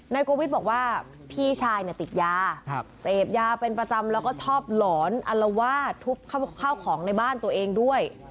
โกวิทย์บอกว่าพี่ชายเนี่ยติดยาเสพยาเป็นประจำแล้วก็ชอบหลอนอัลวาดทุบข้าวของในบ้านตัวเองด้วย